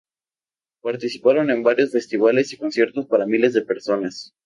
Participaron en varios festivales y conciertos para miles de personas.